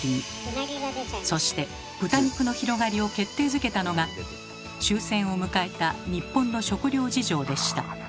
そして豚肉の広がりを決定づけたのが終戦を迎えた日本の食料事情でした。